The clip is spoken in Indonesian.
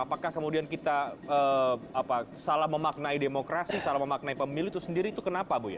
apakah kemudian kita salah memaknai demokrasi salah memaknai pemilih itu sendiri itu kenapa buya